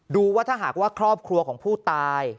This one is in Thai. ดูว่าถ้าหากว่าครอบครัวของผู้ตาย